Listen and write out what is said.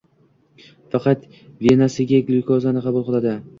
Faqat venasiga glyukozani qabul qiladi